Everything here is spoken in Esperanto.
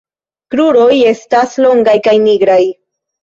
Kruroj estas longaj kaj nigraj.